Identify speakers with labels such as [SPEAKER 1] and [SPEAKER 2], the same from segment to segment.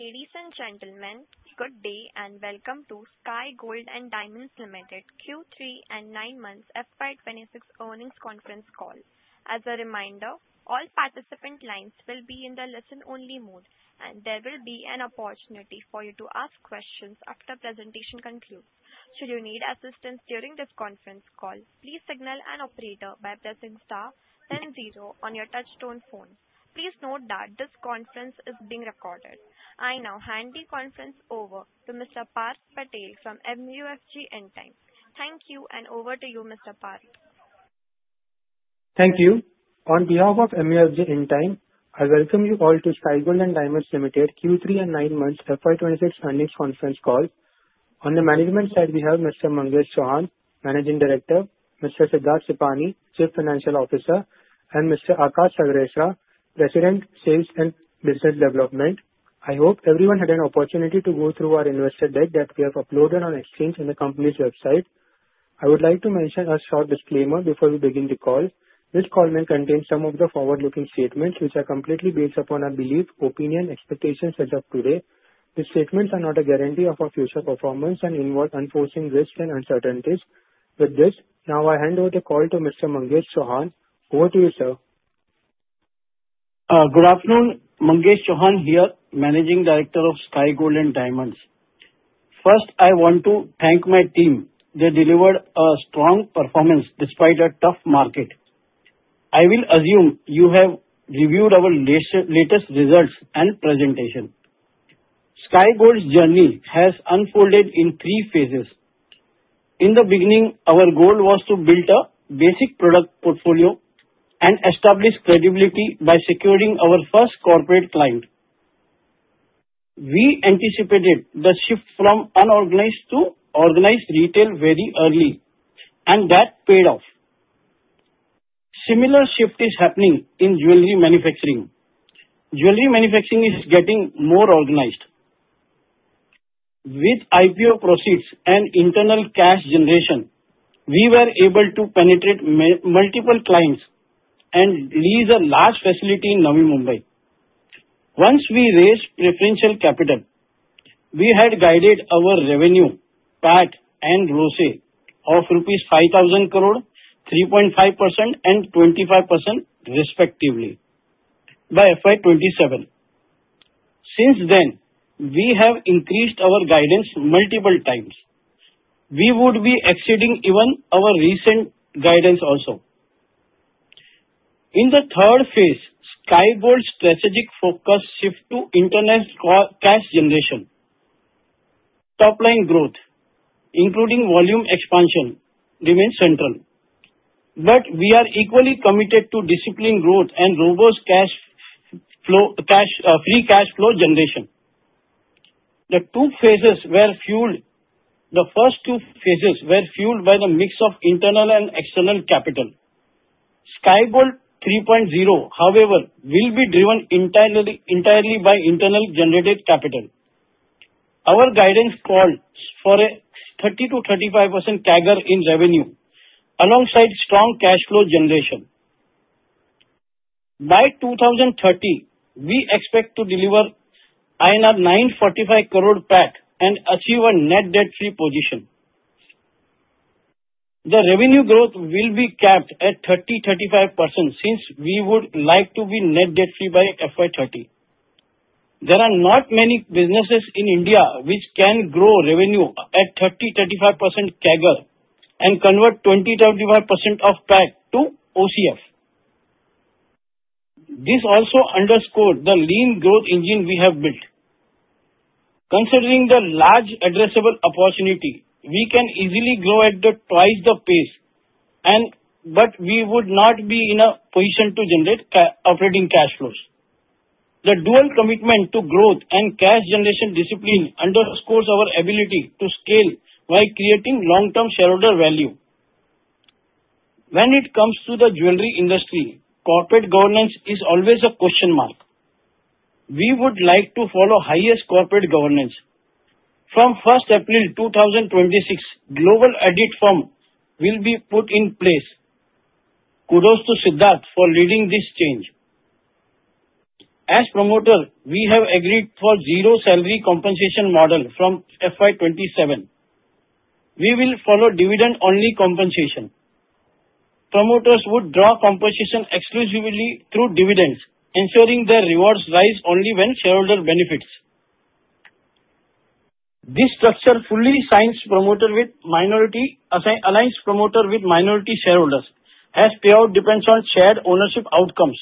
[SPEAKER 1] Ladies and gentlemen, good day, and welcome to Sky Gold and Diamonds Limited Q3 and nine months FY 2026 earnings conference call. As a reminder, all participant lines will be in the listen-only mode, and there will be an opportunity for you to ask questions after presentation concludes. Should you need assistance during this conference call, please signal an operator by pressing star then zero on your touchtone phone. Please note that this conference is being recorded. I now hand the conference over to Mr. Parth Patel from MUFG Intime. Thank you, and over to you, Mr. Parth.
[SPEAKER 2] Thank you. On behalf of MUFG Intime, I welcome you all to Sky Gold and Diamonds Limited Q3 and nine months FY 2026 earnings conference call. On the management side, we have Mr. Mangesh Chauhan, Managing Director, Mr. Siddharth Sipani, Chief Financial Officer, and Mr. Akash Talesara, President, Sales and Business Development. I hope everyone had an opportunity to go through our investor deck that we have uploaded on exchange on the company's website. I would like to mention a short disclaimer before we begin the call. This call may contain some of the forward-looking statements, which are completely based upon our belief, opinion, expectations as of today. These statements are not a guarantee of our future performance and involve unforeseen risks and uncertainties. Now I hand over the call to Mr. Mangesh Chauhan. Over to you, sir.
[SPEAKER 3] Good afternoon. Mangesh Chauhan here, Managing Director of Sky Gold and Diamonds. First, I want to thank my team. They delivered a strong performance despite a tough market. I will assume you have reviewed our latest results and presentation. Sky Gold's journey has unfolded in three phases. In the beginning, our goal was to build a basic product portfolio and establish credibility by securing our first corporate client. We anticipated the shift from unorganized to organized retail very early, and that paid off. Similar shift is happening in jewelry manufacturing. Jewelry manufacturing is getting more organized. With IPO proceeds and internal cash generation, we were able to penetrate multiple clients and lease a large facility in Navi Mumbai. Once we raised preferential capital, we had guided our revenue, PAT, and ROCE of 5,000 crore rupees, 3.5%, and 25% respectively by FY 2027. Since then, we have increased our guidance multiple times. We would be exceeding even our recent guidance also. In the third phase, Sky Gold's strategic focus shift to internal cash generation. Top-line growth, including volume expansion, remains central, we are equally committed to disciplined growth and robust cash flow, free cash flow generation. The first two phases were fueled by the mix of internal and external capital. Sky Gold 3.0, however, will be driven entirely by internal generated capital. Our guidance calls for a 30%-35% CAGR in revenue, alongside strong cash flow generation. By 2030, we expect to deliver INR 945 crore PAT and achieve a net debt-free position. The revenue growth will be capped at 30%-35%, since we would like to be net debt-free by FY 2030. There are not many businesses in India which can grow revenue at 30%-35% CAGR and convert 20%-35% of PAT to OCF. This also underscores the lean growth engine we have built. Considering the large addressable opportunity, we can easily grow at the 2x the pace and, but we would not be in a position to generate operating cash flows. The dual commitment to growth and cash generation discipline underscores our ability to scale while creating long-term shareholder value. When it comes to the jewelry industry, corporate governance is always a question mark. We would like to follow highest corporate governance. From April 1, 2026, global audit firm will be put in place. Kudos to Siddharth for leading this change. As promoter, we have agreed for zero salary compensation model from FY 2027. We will follow dividend-only compensation. Promoters would draw compensation exclusively through dividends, ensuring their rewards rise only when shareholder benefits. This structure fully signs promoter with minority, aligns promoter with minority shareholders, as payout depends on shared ownership outcomes.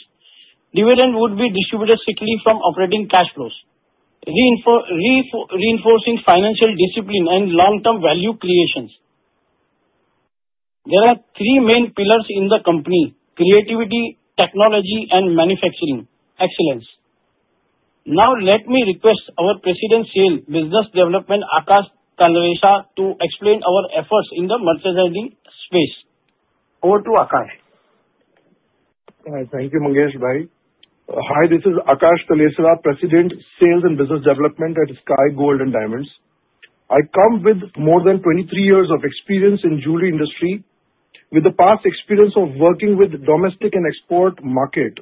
[SPEAKER 3] Dividend would be distributed strictly from operating cash flows, reinforcing financial discipline and long-term value creations. There are three main pillars in the company: creativity, technology, and manufacturing excellence. Now, let me request our President, Sales, Business Development, Akash Talesara, to explain our efforts in the merchandising space. Over to Akash.
[SPEAKER 4] Thank you, Mangesh Bhai. Hi, this is Akash Talesara, President, Sales and Business Development at Sky Gold and Diamonds. I come with more than 23 years of experience in jewelry industry, with the past experience of working with domestic and export market,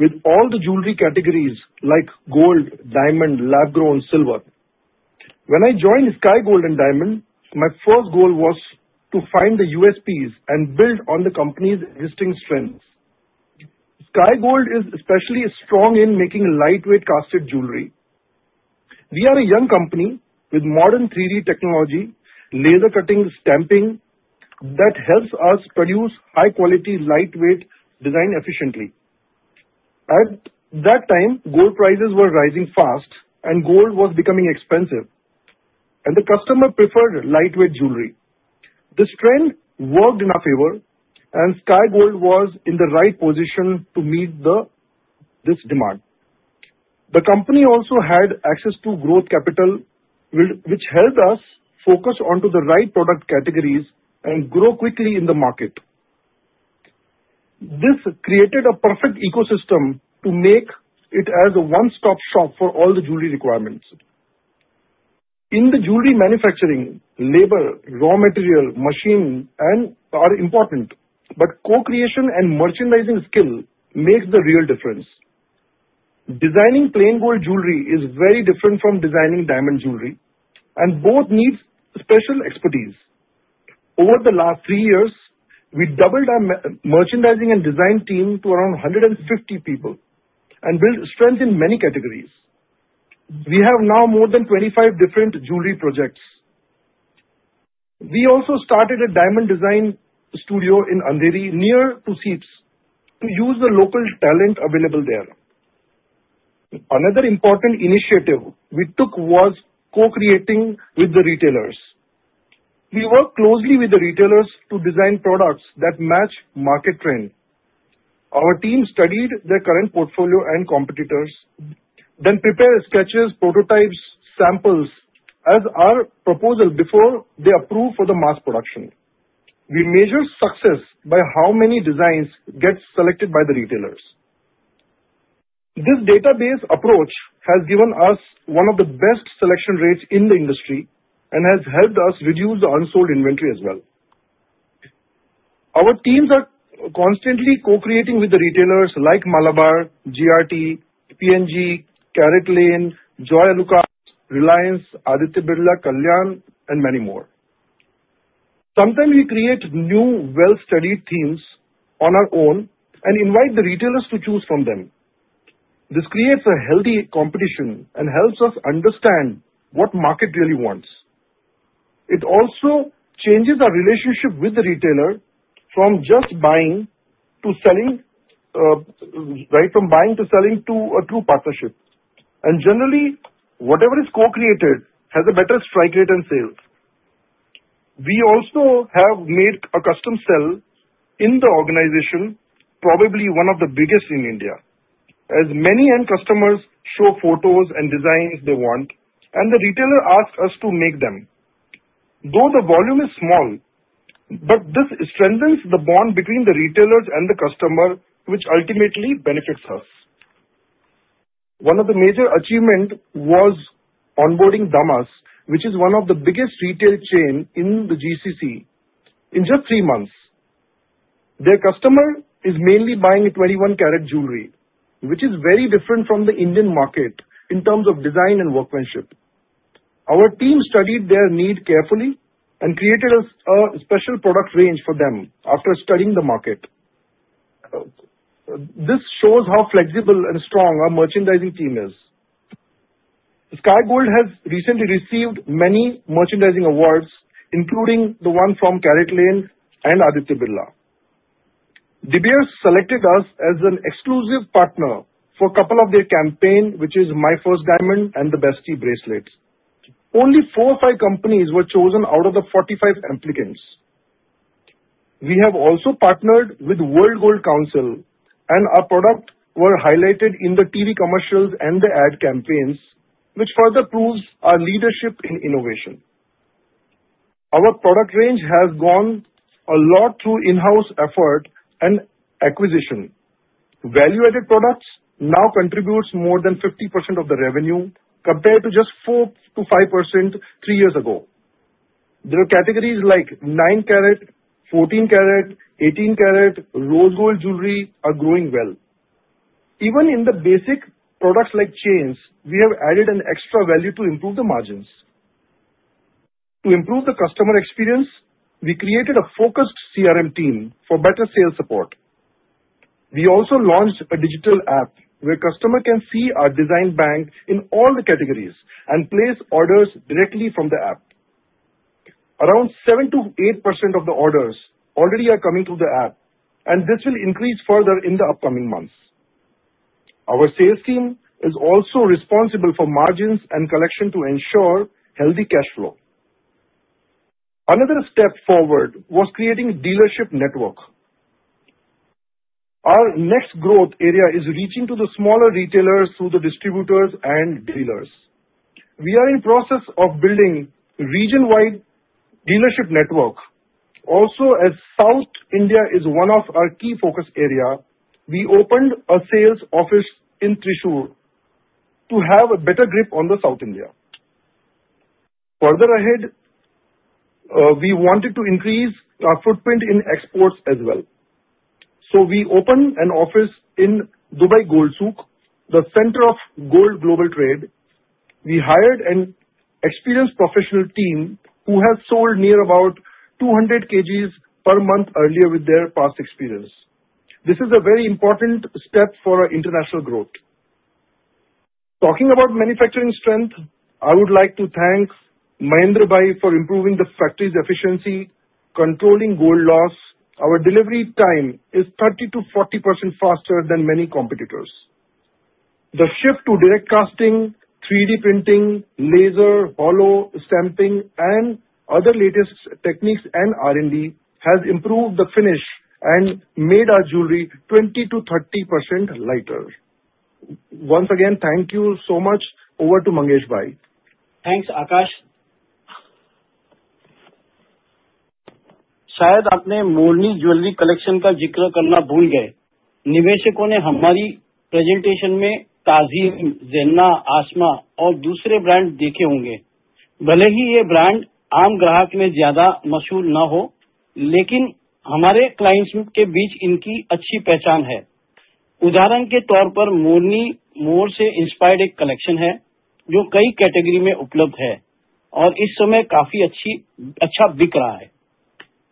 [SPEAKER 4] with all the jewelry categories like gold, diamond, lab-grown silver. When I joined Sky Gold and Diamonds, my first goal was to find the USPs and build on the company's existing strengths. Sky Gold is especially strong in making lightweight casted jewelry. We are a young company with modern 3D technology, laser cutting, stamping, that helps us produce high-quality, lightweight design efficiently. At that time, gold prices were rising fast and gold was becoming expensive, the customer preferred lightweight jewelry. This trend worked in our favor, Sky Gold was in the right position to meet this demand. The company also had access to growth capital, which helped us focus onto the right product categories and grow quickly in the market. This created a perfect ecosystem to make it as a one-stop shop for all the jewelry requirements. In the jewelry manufacturing, labor, raw material, machine, and are important. Co-creation and merchandising skill makes the real difference. Designing plain gold jewelry is very different from designing diamond jewelry. Both needs special expertise. Over the last 3 years, we doubled our merchandising and design team to around 150 people and built strength in many categories. We have now more than 25 different jewelry projects. We also started a diamond design studio in Andheri, near to SEEPZ, to use the local talent available there. Another important initiative we took was co-creating with the retailers. We work closely with the retailers to design products that match market trend. Our team studied their current portfolio and competitors, then prepare sketches, prototypes, samples as our proposal before they approve for the mass production. We measure success by how many designs get selected by the retailers. This database approach has given us one of the best selection rates in the industry and has helped us reduce the unsold inventory as well. Our teams are constantly co-creating with the retailers like Malabar, GRT, P.N.G., CaratLane, Joyalukkas, Reliance, Aditya Birla, Kalyan, and many more. Sometimes we create new, well-studied themes on our own and invite the retailers to choose from them. This creates a healthy competition and helps us understand what market really wants. It also changes our relationship with the retailer from just buying to selling, right from buying to selling to a true partnership. Generally, whatever is co-created has a better strike rate and sales. We also have made a custom sell in the organization, probably one of the biggest in India, as many end customers show photos and designs they want, and the retailer asks us to make them. Though the volume is small, this strengthens the bond between the retailers and the customer, which ultimately benefits us. One of the major achievement was onboarding Damas, which is one of the biggest retail chain in the GCC, in just 3 months. Their customer is mainly buying a 21 carat jewelry, which is very different from the Indian market in terms of design and workmanship. Our team studied their need carefully and created a special product range for them after studying the market. This shows how flexible and strong our merchandising team is. Sky Gold has recently received many merchandising awards, including the one from CaratLane and Aditya Birla. De Beers selected us as an exclusive partner for a couple of their campaign, which is My First De Beers and the Bestie Bracelets. Only 4 or 5 companies were chosen out of the 45 applicants. We have also partnered with World Gold Council, and our product were highlighted in the TV commercials and the ad campaigns, which further proves our leadership in innovation. Our product range has gone a lot through in-house effort and acquisition. Value-added products now contributes more than 50% of the revenue, compared to just 4%-5% 3 years ago. There are categories like 9 carat, 14 carat, 18 carat, rose gold jewelry are growing well. Even in the basic products like chains, we have added an extra value to improve the margins. To improve the customer experience, we created a focused CRM team for better sales support. We also launched a digital app where customer can see our design bank in all the categories and place orders directly from the app. Around 7%-8% of the orders already are coming through the app, and this will increase further in the upcoming months. Our sales team is also responsible for margins and collection to ensure healthy cash flow. Another step forward was creating a dealership network. Our next growth area is reaching to the smaller retailers through the distributors and dealers. We are in process of building region-wide dealership network. As South India is one of our key focus area, we opened a sales office in Thrissur to have a better grip on the South India. Further ahead, we wanted to increase our footprint in exports as well, so we opened an office in Dubai Gold Souk, the center of gold global trade. We hired an experienced professional team who has sold near about 200 kgs per month earlier with their past experience. This is a very important step for our international growth. Talking about manufacturing strength, I would like to thank Mahendra Bhai for improving the factory's efficiency, controlling gold loss. Our delivery time is 30%-40% faster than many competitors. The shift to direct casting, 3D printing, laser, hollow stamping, and other latest techniques and R&D, has improved the finish and made our jewelry 20%-30% lighter. Once again, thank you so much. Over to Mangesh Bhai.
[SPEAKER 3] Thanks, Akash.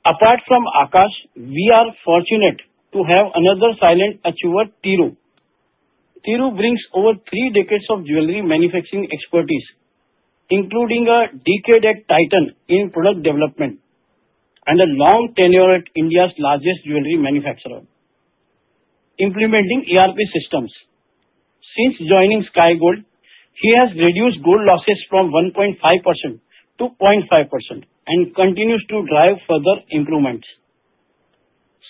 [SPEAKER 3] Apart from Akash, we are fortunate to have another silent achiever, Tiru. Tiru brings over 3 decades of jewelry manufacturing expertise, including a decade at Titan in product development and a long tenure at India's largest jewelry manufacturer, implementing ERP systems. Since joining Sky Gold, he has reduced gold losses from 1.5% to 0.5% and continues to drive further improvements.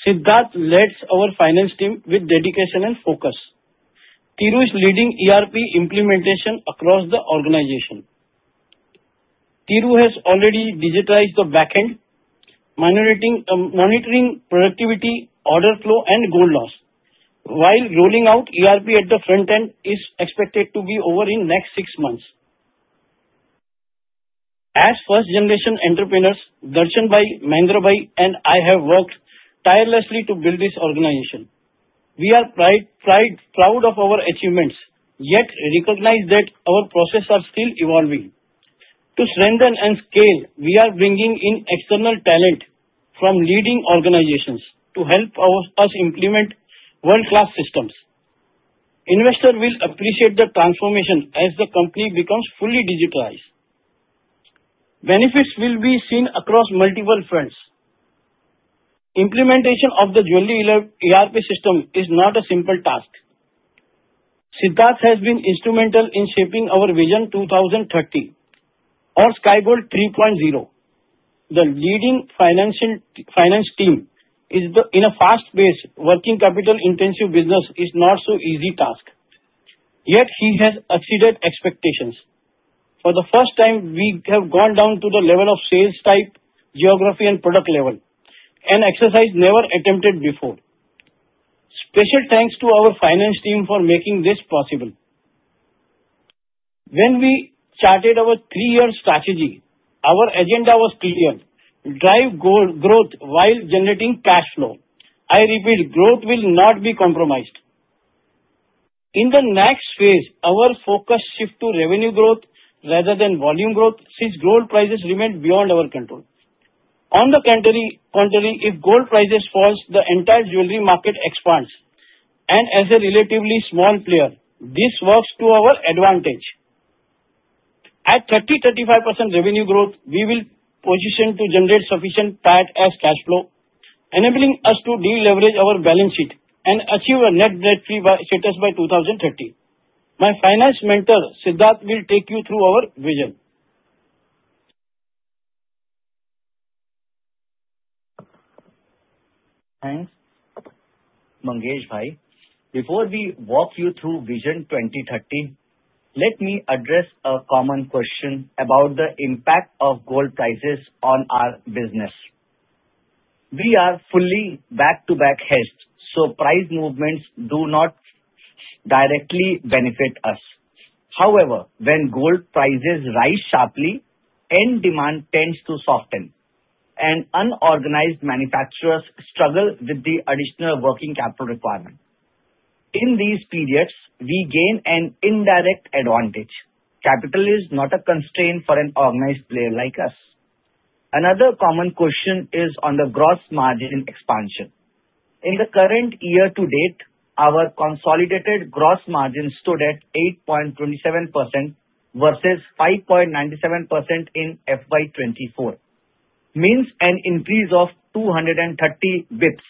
[SPEAKER 3] Siddharth leads our finance team with dedication and focus. Tiru is leading ERP implementation across the organization. Tiru has already digitized the back end, monitoring productivity, order flow, and gold loss. While rolling out ERP at the front end is expected to be over in next 6 months. As first generation entrepreneurs, Darshan Bhai, Mahendra Bhai, and I have worked tirelessly to build this organization. We are proud of our achievements, yet recognize that our processes are still evolving. To strengthen and scale, we are bringing in external talent from leading organizations to help us implement world-class systems. Investor will appreciate the transformation as the company becomes fully digitized. Benefits will be seen across multiple fronts. Implementation of the jewelry ERP system is not a simple task. Siddharth has been instrumental in shaping our Vision 2030 or Sky Gold 3.0. The leading finance team in a fast-paced, working capital-intensive business is not so easy task, yet he has exceeded expectations. For the first time, we have gone down to the level of sales type, geography, and product level, an exercise never attempted before. Special thanks to our finance team for making this possible. When we charted our three-year strategy, our agenda was clear: drive gold growth while generating cash flow. I repeat, growth will not be compromised. In the next phase, our focus shifts to revenue growth rather than volume growth, since gold prices remain beyond our control. On the contrary, if gold prices falls, the entire jewelry market expands, and as a relatively small player, this works to our advantage. At 30%-35% revenue growth, we will position to generate sufficient PAT as cash flow, enabling us to de-leverage our balance sheet and achieve a net debt free status by 2030. My finance mentor, Siddharth, will take you through our vision.
[SPEAKER 5] Thanks, Mangesh Bhai. Before we walk you through Vision 2030, let me address a common question about the impact of gold prices on our business. We are fully back-to-back hedged, so price movements do not directly benefit us. When gold prices rise sharply, end demand tends to soften, and unorganized manufacturers struggle with the additional working capital requirement. In these periods, we gain an indirect advantage. Capital is not a constraint for an organized player like us. Another common question is on the gross margin expansion. In the current year to date, our consolidated gross margin stood at 8.27% versus 5.97% in FY 2024, means an increase of 230 basis points.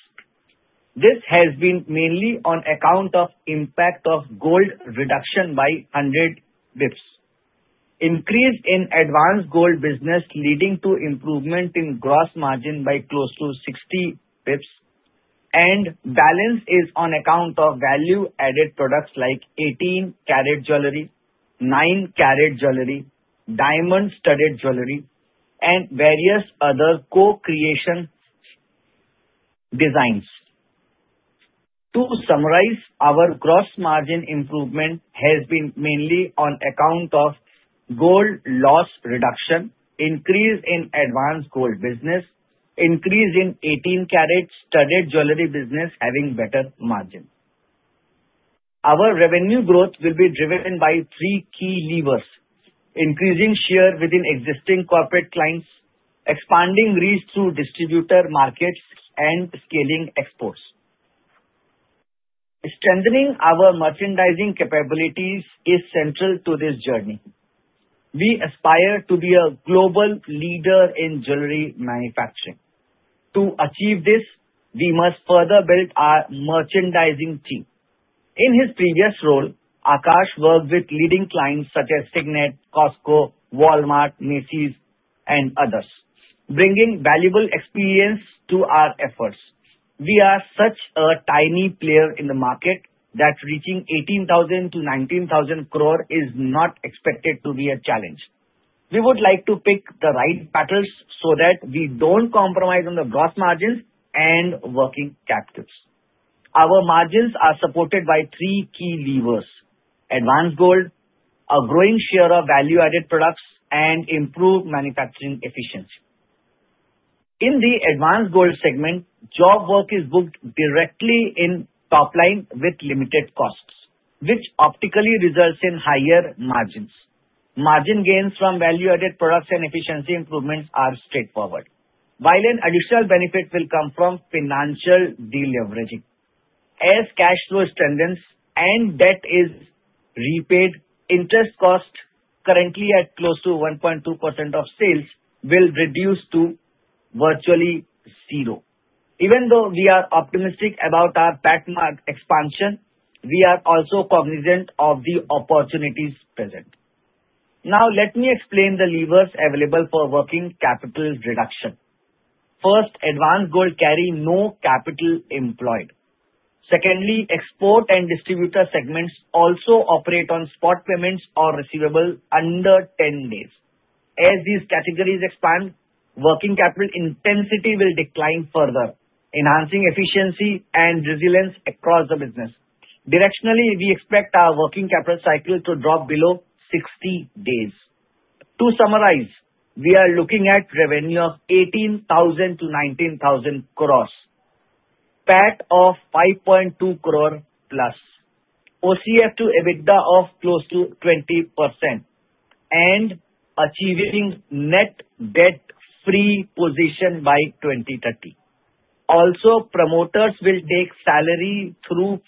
[SPEAKER 5] This has been mainly on account of impact of gold reduction by 100 basis points. Increase in advanced gold business, leading to improvement in gross margin by close to 60 basis points. Balance is on account of value-added products like 18 karat jewelry, 9 karat jewelry, diamond-studded jewelry, and various other co-creation designs. To summarize, our gross margin improvement has been mainly on account of gold loss reduction, increase in advanced gold business, increase in 18 karat studded jewelry business having better margin. Our revenue growth will be driven by three key levers: increasing share within existing corporate clients, expanding reach through distributor markets, and scaling exports. Strengthening our merchandising capabilities is central to this journey. We aspire to be a global leader in jewelry manufacturing. To achieve this, we must further build our merchandising team. In his previous role, Akash worked with leading clients such as Signet, Costco, Walmart, Macy's, and others, bringing valuable experience to our efforts. We are such a tiny player in the market that reaching 18,000 crore to 19,000 crore is not expected to be a challenge. We would like to pick the right battles so that we don't compromise on the gross margins and working capitals. Our margins are supported by three key levers: advanced gold, a growing share of value-added products, and improved manufacturing efficiency. In the advanced gold segment, job work is booked directly in top line with limited costs, which optically results in higher margins. Margin gains from value-added products and efficiency improvements are straightforward, while an additional benefit will come from financial deleveraging. As cash flow strengthens and debt is repaid, interest costs, currently at close to 1.2% of sales, will reduce to virtually zero. Even though we are optimistic about our PAT Margin expansion, we are also cognizant of the opportunities present. Let me explain the levers available for working capital reduction. First, advanced gold carry no capital employed. Secondly, export and distributor segments also operate on spot payments or receivable under 10 days. As these categories expand, working capital intensity will decline further, enhancing efficiency and resilience across the business. Directionally, we expect our working capital cycle to drop below 60 days. To summarize, we are looking at revenue of 18,000 crore-19,000 crore, PAT of 5.2 crore+, OCF to EBITDA of close to 20%, and achieving net debt-free position by 2030. Promoters will take salary through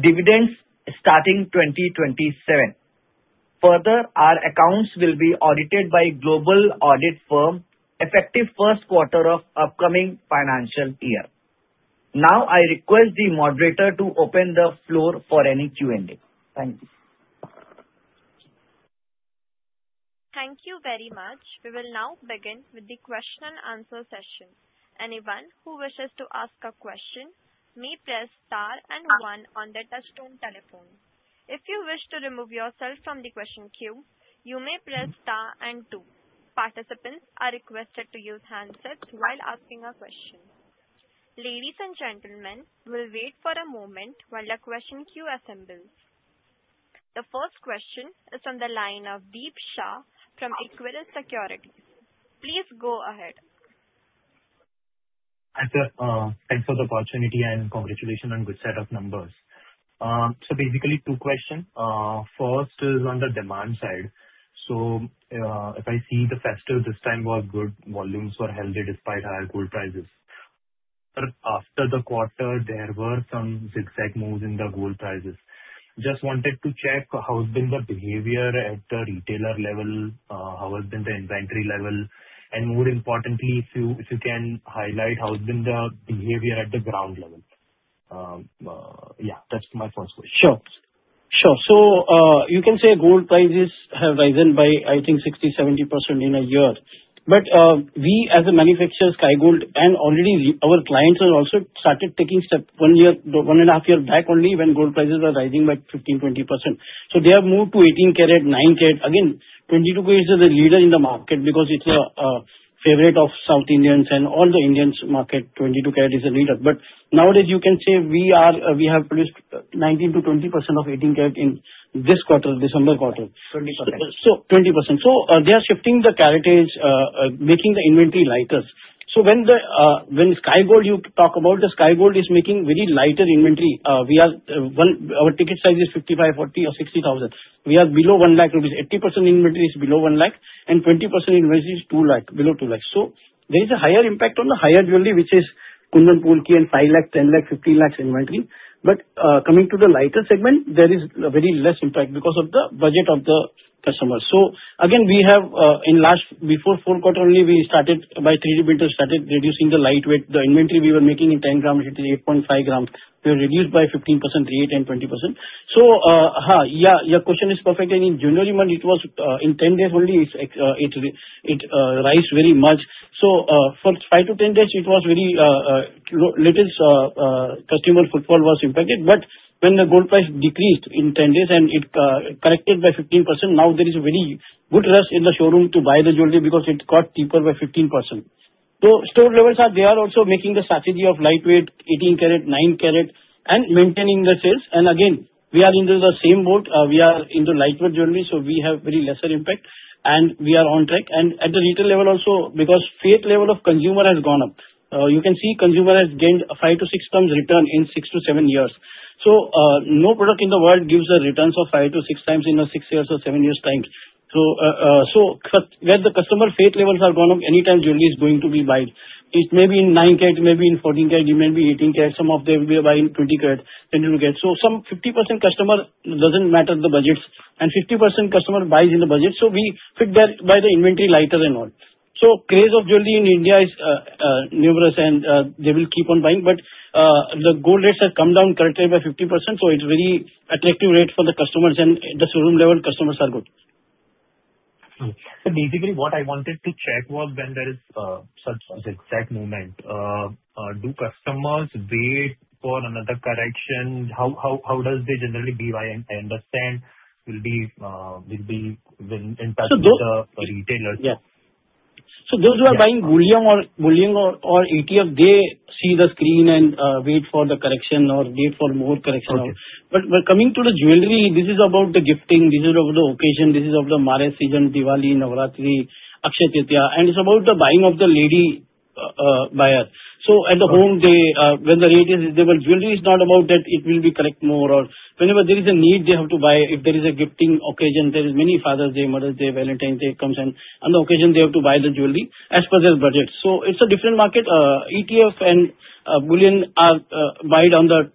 [SPEAKER 5] dividends starting 2027. Our accounts will be audited by global audit firm, effective first quarter of upcoming financial year. I request the moderator to open the floor for any Q&A. Thank you.
[SPEAKER 1] Thank you very much. We will now begin with the question and answer session. Anyone who wishes to ask a question may press star 1 on their touchtone telephone. If you wish to remove yourself from the question queue, you may press star 2. Participants are requested to use handsets while asking a question. Ladies and gentlemen, we'll wait for a moment while the question queue assembles. The first question is on the line of Deep Shah from Equirus Securities. Please go ahead.
[SPEAKER 6] Hi, sir, thanks for the opportunity and congratulations on good set of numbers. Basically two questions. First is on the demand side. If I see the festival this time was good, volumes were healthy despite higher gold prices. After the quarter, there were some zigzag moves in the gold prices. Just wanted to check how has been the behavior at the retailer level, how has been the inventory level, and more importantly, if you, if you can highlight how has been the behavior at the ground level? Yeah, that's my first question.
[SPEAKER 3] Sure. Sure. You can say gold prices have risen by, I think, 60%-70% in a year. We as a manufacturer, Sky Gold, and already our clients have also started taking steps 1 year, 1 and a half year back only, when gold prices were rising by 15%-20%. They have moved to 18 karat, 9 karat. Again, 22 karat is a leader in the market because it's a favorite of South Indians and all the Indians market, 22 karat is a leader. Nowadays you can say we have produced 19%-20% of 18 karat in this quarter, December quarter.
[SPEAKER 6] 20%.
[SPEAKER 3] 20%. They are shifting the karats, making the inventory lighter. When the when Sky Gold, you talk about the Sky Gold is making very lighter inventory. We are our ticket size is 55 thousand, 40 thousand, or 60 thousand. We are below 1 lakh rupees. 80% inventory is below 1 lakh, and 20% inventory is 2 lakh, below 2 lakh. There is a higher impact on the higher jewelry, which is Kundan Polki and 5 lakh, 10 lakh, 15 lakh inventory. Coming to the lighter segment, there is a very less impact because of the budget of the customers. Again, we have in last, before fourth quarter only, we started by three dimensions, started reducing the lightweight. The inventory we were making in 10 gram, it is 8.5 grams. We have reduced by 15%, 3, 8, and 20%. Yeah, your question is perfect, and in January month, it was in 10 days only, it's rise very much. For 5-10 days, it was very little customer footfall was impacted, but when the gold price decreased in 10 days and it corrected by 15%, now there is a very good rush in the showroom to buy the jewelry because it got cheaper by 15%. They are also making the strategy of lightweight 18 karat, 9 karat, and maintaining the sales. Again, we are in the same boat. We are into lightweight jewelry, so we have very lesser impact, and we are on track. At the retail level also, because faith level of consumer has gone up. You can see consumer has gained 5-6 times return in 6-7 years. No product in the world gives the returns of 5-6 times in a 6 years or 7 years time. Where the customer faith levels have gone up, anytime jewelry is going to be buy. It may be in 9 karat, it may be in 14 karat, it may be 18 karat, some of them will buy in 20 karat, 21 karat. Some 50% customer doesn't matter the budgets, and 50% customer buys in the budget, so we fit that by the inventory lighter and all. Craze of jewelry in India is numerous, and they will keep on buying, but the gold rates have come down currently by 50%, so it's very attractive rate for the customers, and the showroom level customers are good.
[SPEAKER 6] Basically, what I wanted to check was when there is such that moment, do customers wait for another correction? How does they generally buy? I understand will be.
[SPEAKER 3] So those-
[SPEAKER 6] with the retailers.
[SPEAKER 3] Yeah.
[SPEAKER 6] Yeah
[SPEAKER 3] bullion or ETF, they see the screen and wait for the correction or wait for more correction. Coming to the jewelry, this is about the gifting, this is of the occasion, this is of the marriage season, Diwali, Navratri, Akshaya Tritiya, and it's about the buying of the lady buyer. At the home, they, when the ladies, they will. Jewelry is not about that, it will be correct more or whenever there is a need, they have to buy. If there is a gifting occasion, there is many Father's Day, Mother's Day, Valentine's Day comes and on the occasion they have to buy the jewelry as per their budget. It's a different market. ETF and bullion are buy it on the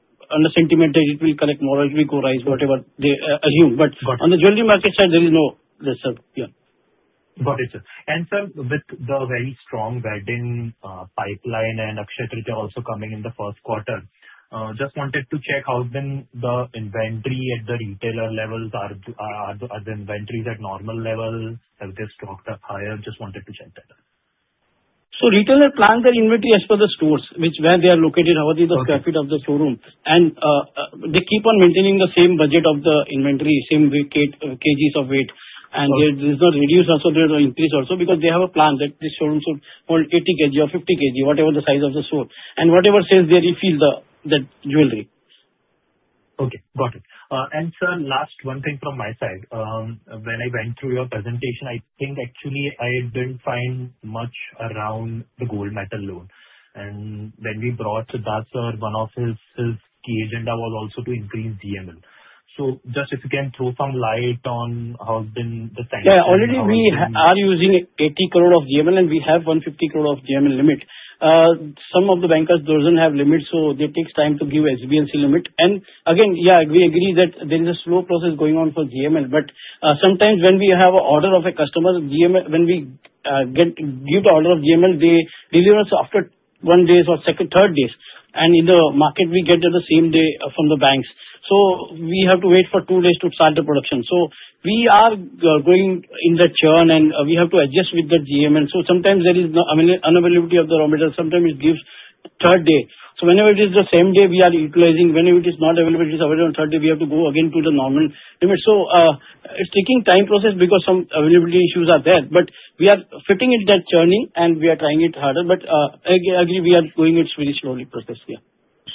[SPEAKER 3] sentiment that it will collect more, it will go rise, whatever they assume.
[SPEAKER 6] Got it.
[SPEAKER 3] On the jewelry market side, there is no this, sir. Yeah.
[SPEAKER 6] Got it, sir. Sir, with the very strong wedding pipeline and Akshaya Tritiya also coming in the first quarter, just wanted to check how has been the inventory at the retailer levels. Are the inventories at normal levels? Have they stocked up higher? Just wanted to check that.
[SPEAKER 3] Retailers plan their inventory as per the stores, where they are located.
[SPEAKER 6] Okay
[SPEAKER 3] how are the sq ft of the showroom. They keep on maintaining the same budget of the inventory, same weight, kgs of weight.
[SPEAKER 6] Got it.
[SPEAKER 3] There's not reduced also, there's an increase also, because they have a plan that this showroom should hold 80 kg or 50 kg, whatever the size of the store, and whatever sales there, they fill that jewelry.
[SPEAKER 6] Okay, got it. Sir, last one thing from my side. When I went through your presentation, I think actually I didn't find much around the gold metal loan. When we brought Siddharth, one of his key agenda was also to increase GML. Just if you can throw some light on how has been the trend-.
[SPEAKER 3] Yeah, already we are using 80 crore of GML. We have 150 crore of GML limit. Some of the bankers doesn't have limits, so it takes time to give SBLC limit. Again, yeah, we agree that there is a slow process going on for GML, but sometimes when we have a order of a customer, GML, when we give the order of GML, they deliver us after 1 days or second, third days. In the market, we get it the same day from the banks. We have to wait for 2 days to start the production. We are going in that churn, and we have to adjust with the GML. Sometimes there is no unavailability of the raw material, sometimes it gives third day. Whenever it is the same day, we are utilizing. Whenever it is not available, it is available on third day, we have to go again to the normal limit. It's taking time process because some availability issues are there, but we are fitting in that journey, and we are trying it harder. Again, agree, we are doing it very slowly process.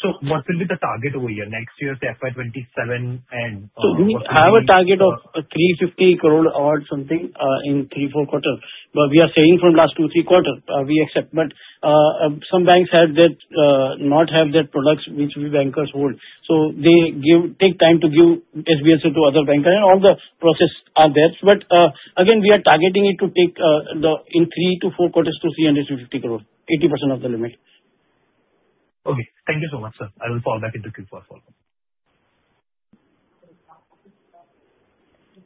[SPEAKER 3] Yeah.
[SPEAKER 6] What will be the target over year, next year, say FY 2027?
[SPEAKER 3] we have a target of 350 crore or something in 3, 4 quarter. we are saying from last 2, 3 quarter, we accept, but some banks have that not have that products which we bankers hold. they give, take time to give SBLC to other banker and all the process are there. again, we are targeting it to take the in 3 to 4 quarters to 350 crore, 80% of the limit.
[SPEAKER 6] Okay, thank you so much, sir. I will fall back into queue for follow-up.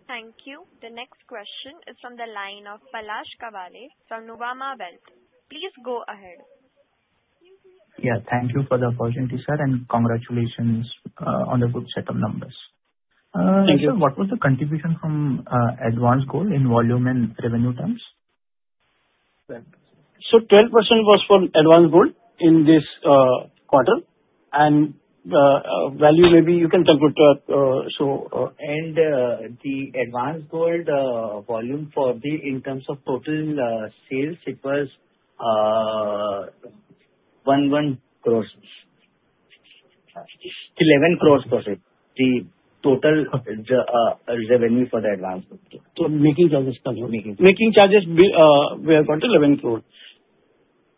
[SPEAKER 1] Thank you. The next question is from the line of Palash Kawale from Nuvama Wealth. Please go ahead.
[SPEAKER 7] Yeah, thank you for the opportunity, sir. Congratulations, on the good set of numbers.
[SPEAKER 3] Thank you.
[SPEAKER 7] What was the contribution from advanced gold in volume and revenue terms?
[SPEAKER 3] 12% was from advanced gold in this quarter. value maybe you can calculate.
[SPEAKER 7] The advanced gold volume for the, in terms of total sales, it was INR 11 crores, sir. The total revenue for the advanced.
[SPEAKER 3] making charges-
[SPEAKER 7] Making charges, were got to 11 crores.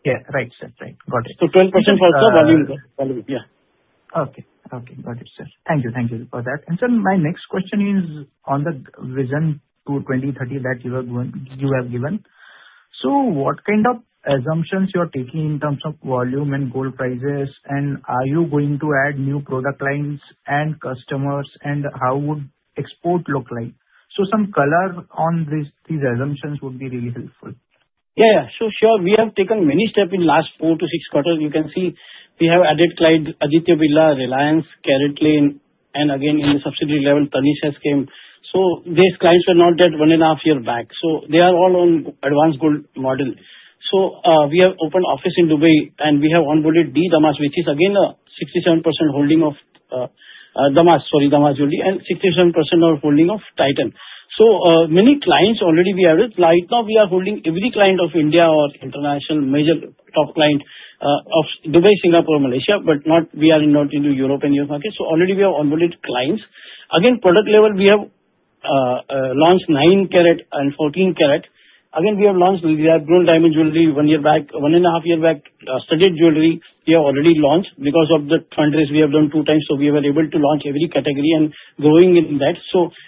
[SPEAKER 7] Yeah, right, sir. Right. Got it.
[SPEAKER 3] 12% was the value, yeah.
[SPEAKER 7] Okay, okay. Got it, sir. Thank you. Thank you for that. Sir, my next question is on the Vision 2030 that you have given. What kind of assumptions you are taking in terms of volume and gold prices, and are you going to add new product lines and customers, and how would export look like? Some color on this, these assumptions would be really helpful.
[SPEAKER 3] Yeah. Sure, we have taken many steps in last 4-6 quarters. You can see we have added client Aditya Birla, Reliance, CaratLane. Again, in the subsidiary level, Tanishq has came. These clients were not there one and a half year back, so they are all on advance gold model. We have opened office in Dubai, and we have onboarded Damas Jewellery, which is again a 67% holding of Damas Jewellery, and 67% of holding of Titan. Many clients already we have it. Right now we are holding every client of India or international major top client of Dubai, Singapore, Malaysia, but we are not into Europe and US market, already we have onboarded clients. Again, product level, we have launched 9 karat and 14 karat. We have launched, we have grown diamond jewelry one year back, one and a half year back. Studded jewelry, we have already launched. Because of the fundraise, we have done two times, we were able to launch every category and growing in that.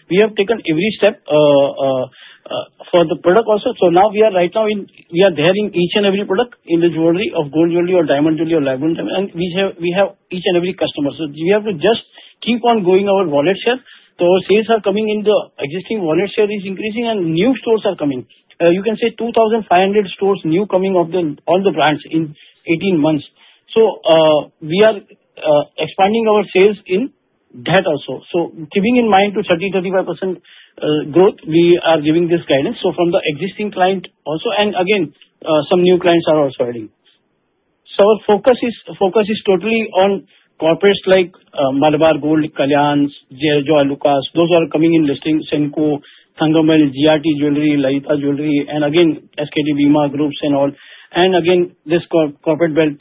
[SPEAKER 3] We have taken every step for the product also. Now we are having each and every product in the jewelry, of gold jewelry or diamond jewelry or lab-grown diamond, and we have each and every customer. We have to just keep on going our wallet share. Our sales are coming in, the existing wallet share is increasing and new stores are coming. You can say 2,500 stores, new coming of the, all the brands in 18 months. We are expanding our sales in that also. Keeping in mind to 30%-35% growth, we are giving this guidance from the existing client also. Some new clients are also adding. Our focus is totally on corporates like Malabar Gold, Kalyans, Joyalukkas, those are coming in listing, Senco, Thangamayil, GRT Jewellers, Lalitha Jewellery, and again, SKDB Mark Groups and all. This corporate belt,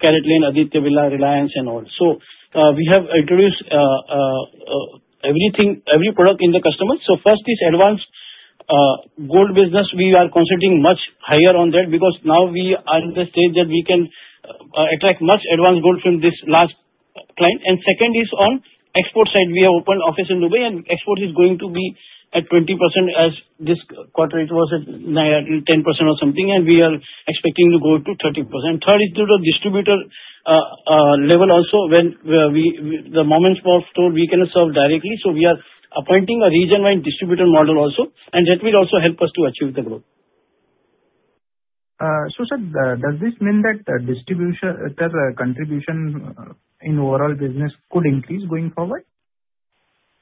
[SPEAKER 3] CaratLane, Aditya Birla, Reliance and all. We have introduced everything, every product in the customer. First is advance gold business. We are considering much higher on that, because now we are in the stage that we can attract much advance gold from this last client. Second is on export side. We have opened office in Dubai. Export is going to be at 20% as this quarter, it was at 9%, 10% or something. We are expecting to go to 30%. Third is through the distributor level also, when, where we the moments of store we cannot serve directly, so we are appointing a region-wide distributor model also. That will also help us to achieve the growth.
[SPEAKER 7] Sir, does this mean that distribution contribution in overall business could increase going forward?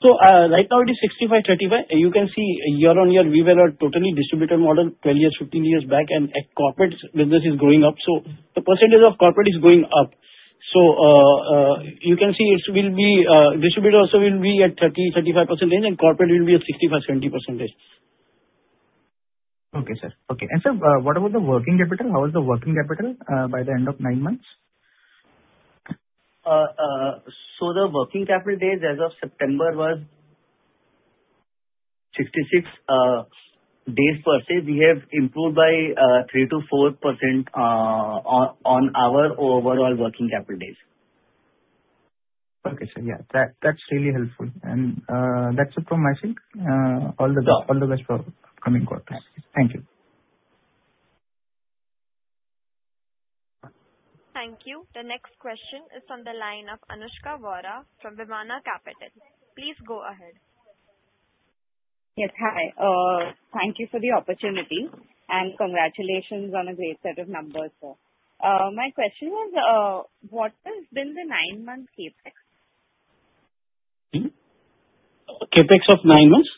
[SPEAKER 3] Right now it is 65, 35. You can see year-on-year, we were a totally distributor model, 12 years, 15 years back, and our corporate business is going up. The percentage of corporate is going up. You can see it will be distributor also will be at 30%-35%, and corporate will be at 65%-70%.
[SPEAKER 7] Okay, sir. Okay. Sir, what about the working capital? How is the working capital by the end of 9 months?
[SPEAKER 3] The working capital days as of September was 66 days per se. We have improved by 3%-4% on our overall working capital days.
[SPEAKER 7] Okay, sir. Yeah, that's really helpful. That's it from myself.
[SPEAKER 3] Yeah.
[SPEAKER 7] All the best, all the best for upcoming quarters.
[SPEAKER 3] Thank you.
[SPEAKER 7] Thank you.
[SPEAKER 1] Thank you. The next question is from the line of Anushka Vora from Viva Capital. Please go ahead.
[SPEAKER 8] Yes. Hi. thank you for the opportunity, and congratulations on a great set of numbers, sir. my question was, what has been the 9-month CapEx?
[SPEAKER 3] CapEx of nine months?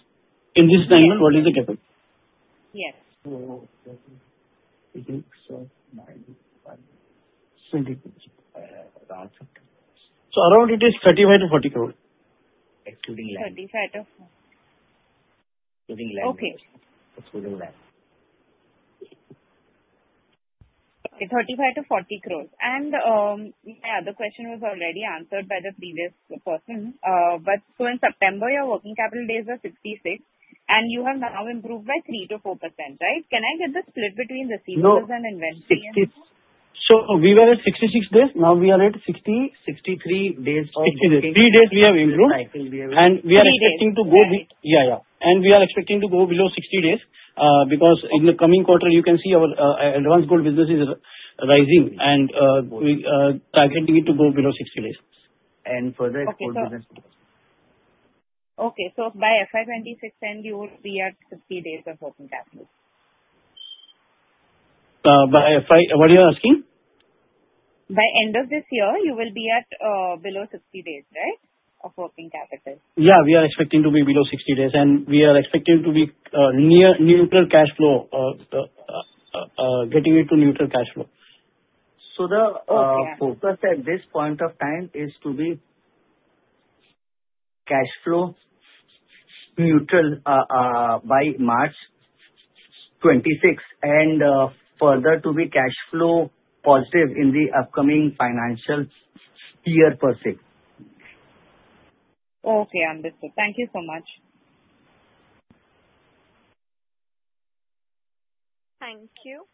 [SPEAKER 3] In this nine months, what is the CapEx?
[SPEAKER 8] Yes.
[SPEAKER 3] CapEx of nine months, 70%, around 70%. Around it is 35-40 crore, excluding land.
[SPEAKER 8] 35 to 40...
[SPEAKER 3] Excluding land.
[SPEAKER 8] Okay.
[SPEAKER 3] Excluding land.
[SPEAKER 8] Okay, 35-40 crores. My other question was already answered by the previous person. In September, your working capital days were 66, and you have now improved by 3%-4%, right? Can I get the split between the sectors and investments?
[SPEAKER 3] We were at 66 days, now we are at 63 days. 60 days. 3 days we have improved-
[SPEAKER 8] I think we have-
[SPEAKER 3] we are expecting to.
[SPEAKER 8] Three days.
[SPEAKER 3] Yeah, yeah. We are expecting to go below 60 days, because in the coming quarter you can see our advance gold business is rising and we targeting it to go below 60 days. And further-
[SPEAKER 8] Okay.
[SPEAKER 3] Gold business.
[SPEAKER 8] Okay, by FY 26 end, you will be at 60 days of working capital?
[SPEAKER 3] What you are asking?
[SPEAKER 8] By end of this year, you will be at, below 60 days, right? Of working capital.
[SPEAKER 3] Yeah, we are expecting to be below 60 days, and we are expecting to be near neutral cash flow, getting it to neutral cash flow.
[SPEAKER 7] So the, uh-
[SPEAKER 8] Okay.
[SPEAKER 7] At this point of time is to be cash flow neutral by March 2026, and further to be cash flow positive in the upcoming financial year per se.
[SPEAKER 8] Okay, understood. Thank you so much.
[SPEAKER 1] Thank you.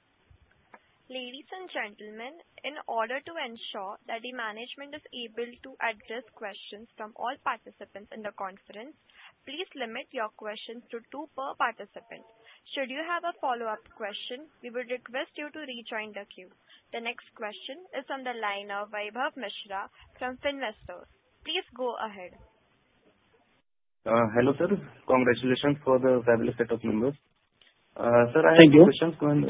[SPEAKER 1] Ladies and gentlemen, in order to ensure that the management is able to address questions from all participants in the conference, please limit your questions to 2 per participant. Should you have a follow-up question, we would request you to rejoin the queue. The next question is on the line of Vaibhav Mishra from Finvestor. Please go ahead.
[SPEAKER 9] Hello, sir. Congratulations for the fabulous set of numbers. sir.
[SPEAKER 3] Thank you.
[SPEAKER 9] questions when,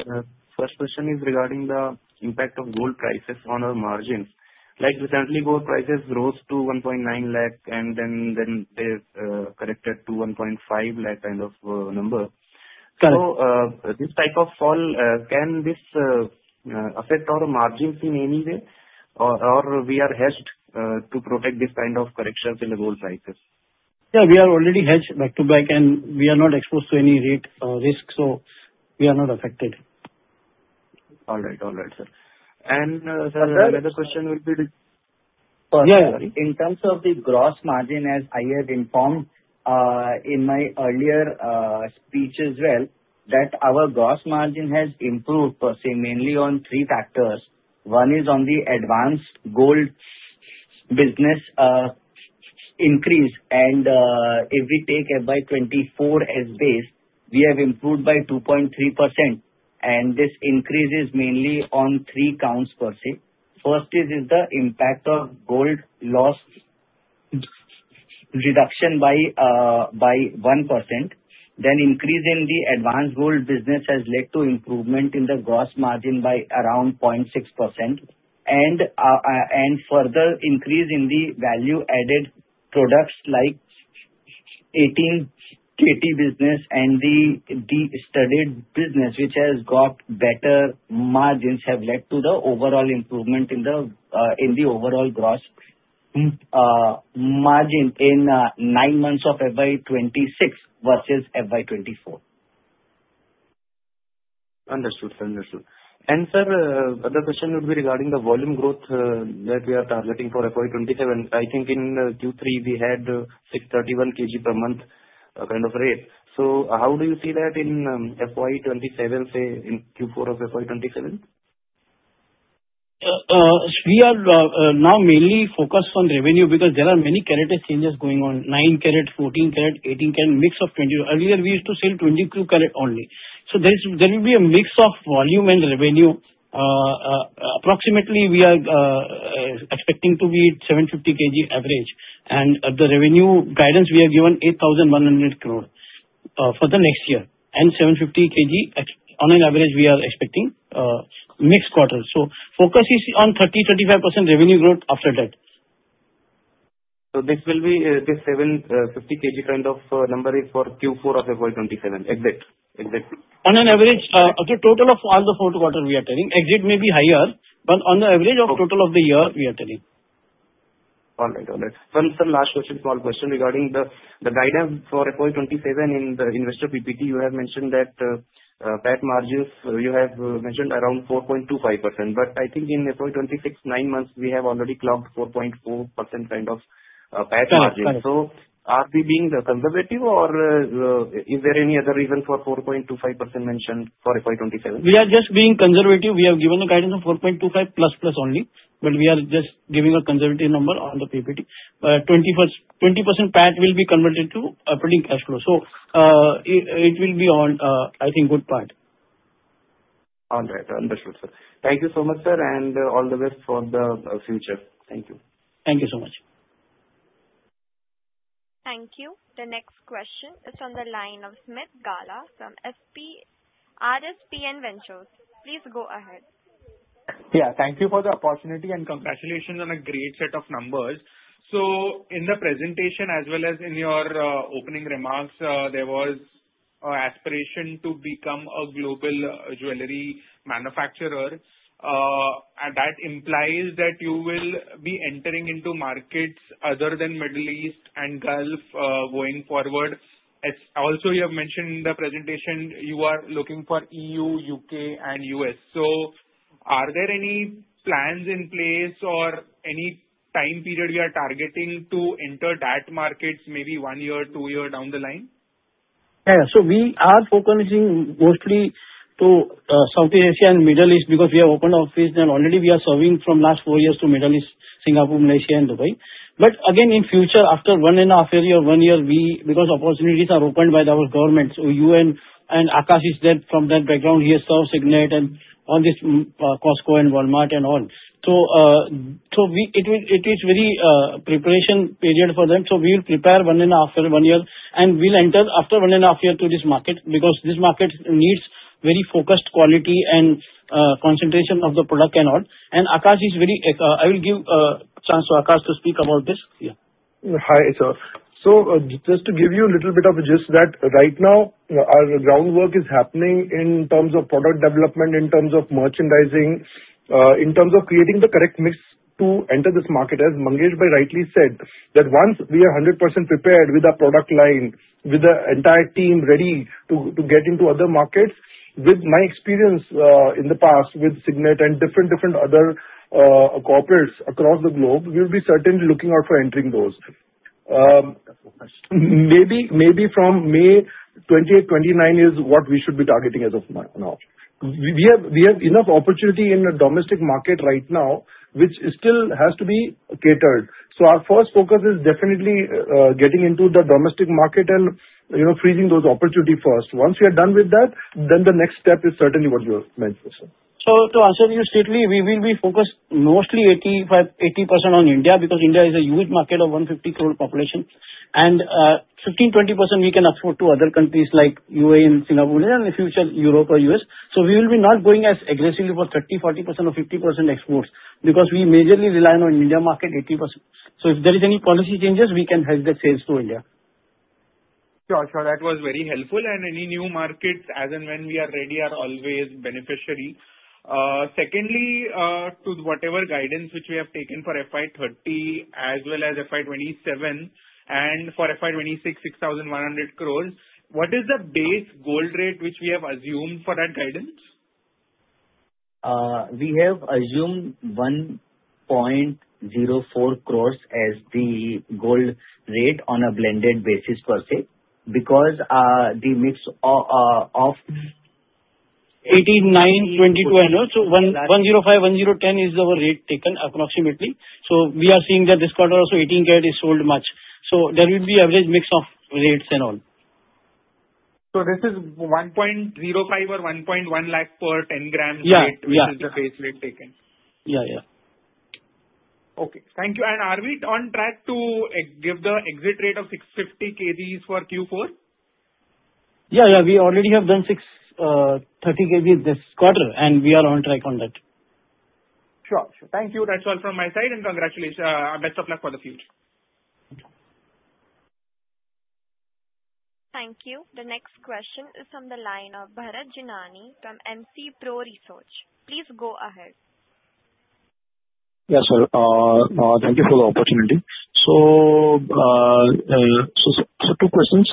[SPEAKER 9] first question is regarding the impact of gold prices on our margins. Like recently, gold prices rose to 1.9 lakh, and then they corrected to 1.5 lakh kind of, number.
[SPEAKER 3] Correct.
[SPEAKER 9] This type of fall, can this affect our margins in any way, or we are hedged to protect this kind of corrections in the gold prices?
[SPEAKER 3] Yeah, we are already hedged back to back, and we are not exposed to any rate risk, so we are not affected.
[SPEAKER 9] All right. All right, sir.
[SPEAKER 3] Yes.
[SPEAKER 9] The other question would be to.
[SPEAKER 3] Yeah.
[SPEAKER 5] In terms of the gross margin, as I have informed, in my earlier speech as well, that our gross margin has improved, per se, mainly on 3 factors. One is on the advanced gold business increase. If we take FY 2024 as base, we have improved by 2.3%, and this increase is mainly on 3 counts, per se. First is the impact of gold loss reduction by 1%. Increase in the advanced gold business has led to improvement in the gross margin by around 0.6%. Further increase in the value added products like 18 KT business and the deep-studded business, which has got better margins, have led to the overall improvement in the overall gross margin in 9 months of FY 2026 versus FY 2024.
[SPEAKER 9] Understood. Understood. sir, the other question would be regarding the volume growth that we are targeting for FY 2027. I think in Q3 we had 631 kg per month kind of rate. How do you see that in FY 2027, say, in Q4 of FY 2027?
[SPEAKER 3] We are now mainly focused on revenue because there are many carat changes going on, 9 carat, 14 carat, 18 carat, mix of 20. Earlier we used to sell 22 carat only. There will be a mix of volume and revenue. Approximately, we are expecting to be 750 kg average and the revenue guidance we have given 8,100 crore for the next year, and 750 kg on an average, we are expecting next quarter. Focus is on 30-35% revenue growth after that.
[SPEAKER 9] This will be, the 750 kg kind of number is for Q4 of FY 2027. Exit. Exit.
[SPEAKER 3] On an average, total of all the four quarter we are telling, exit may be higher, but on the average of total of the year, we are telling.
[SPEAKER 9] All right. All right. One, sir, last question, small question regarding the guidance for FY 2027. In the investor PPT, you have mentioned that PAT margins, you have mentioned around 4.25%, but I think in FY 2026, 9 months, we have already clocked 4.4% kind of PAT margins.
[SPEAKER 3] Yeah, correct.
[SPEAKER 9] Are we being conservative or, is there any other reason for 4.25% mentioned for FY 2027?
[SPEAKER 3] We are just being conservative. We have given a guidance of 4.25++ only, but we are just giving a conservative number on the PPT. 21st, 20% PAT will be converted to operating cash flow. It will be on, I think, good PAT.
[SPEAKER 9] All right. Understood, sir. Thank you so much, sir. All the best for the future. Thank you.
[SPEAKER 3] Thank you so much.
[SPEAKER 1] Thank you. The next question is on the line of Smith Gala from SP- RSPN Ventures. Please go ahead.
[SPEAKER 10] Yeah, thank you for the opportunity, and congratulations on a great set of numbers. In the presentation, as well as in your opening remarks, there was a aspiration to become a global jewelry manufacturer, and that implies that you will be entering into markets other than Middle East and Gulf going forward. You have mentioned in the presentation, you are looking for EU, UK and US. Are there any plans in place or any time period you are targeting to enter that markets, maybe 1 year or 2 years down the line?
[SPEAKER 3] We are focusing mostly to Southeast Asia and Middle East because we have opened office there. Already we are serving from last 4 years to Middle East, Singapore, Malaysia and Dubai. In future, after 1.5 year, 1 year, we because opportunities are opened by our government, UN and Akash is there. From that background, he has served Signet and all this Costco and Walmart and all. It is very preparation period for them. We will prepare 1.5 or 1 year, and we'll enter after 1.5 year to this market, because this market needs very focused quality and concentration of the product and all. Akash is very I will give chance to Akash to speak about this.
[SPEAKER 4] Hi, sir. Just to give you a little bit of a gist that right now our groundwork is happening in terms of product development, in terms of merchandising, in terms of creating the correct mix to enter this market. As Mangeshbhai rightly said, that once we are 100% prepared with our product line, with the entire team ready to get into other markets, with my experience, in the past with Signet and different other corporates across the globe, we'll be certainly looking out for entering those. Maybe from May 28, 29 is what we should be targeting as of now. We have enough opportunity in the domestic market right now, which still has to be catered. Our first focus is definitely getting into the domestic market and, you know, freezing those opportunity first. Once we are done with that, the next step is certainly what you have mentioned, sir.
[SPEAKER 3] To answer you strictly, we will be focused mostly 85%, 80% on India, because India is a huge market of 150 crore population, and 15%-20% we can export to other countries like UAE and Singapore, and in the future, Europe or US. We will be not going as aggressively for 30%-40% or 50% exports, because we majorly relying on India market 80%. If there is any policy changes, we can help the sales to India.
[SPEAKER 10] Sure, sure. That was very helpful. Any new markets as and when we are ready are always beneficiary. Secondly, to whatever guidance which we have taken for FY 2030, as well as FY 2027 and for FY 2026, 6,100 crores, what is the base gold rate which we have assumed for that guidance?
[SPEAKER 5] We have assumed 1.04 crores as the gold rate on a blended basis per se, because the mix.
[SPEAKER 3] 18, 9, 22 annual, 1, 105, 110 is our rate taken approximately. We are seeing that this quarter also, 18 carat is sold much, there will be average mix of rates and all.
[SPEAKER 10] This is 1.05 or 1.1 lakh per 10 gram rate.
[SPEAKER 3] Yeah, yeah.
[SPEAKER 10] Which is the base rate taken?
[SPEAKER 3] Yeah, yeah.
[SPEAKER 10] Okay, thank you. Are we on track to give the exit rate of 650 kgs for Q4?
[SPEAKER 3] Yeah, yeah. We already have done 630 kgs this quarter, and we are on track on that.
[SPEAKER 10] Sure, sure. Thank you. That's all from my side, and congratulations, best of luck for the future.
[SPEAKER 1] Thank you. The next question is from the line of Bharat Jinani from MC Pro Research. Please go ahead.
[SPEAKER 11] Yes, sir, thank you for the opportunity. 2 questions.